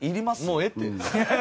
もうええって！